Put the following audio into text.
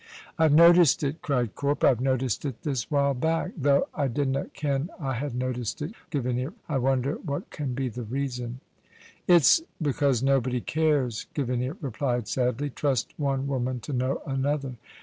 "I've noticed it," cried Corp. "I've noticed it this while back, though I didna ken I had noticed it, Gavinia. I wonder what can be the reason?" "It's because nobody cares," Gavinia replied sadly. Trust one woman to know another!